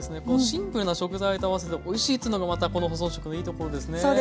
このシンプルな食材と合わせておいしいというのがまたこの保存食のいいところですね。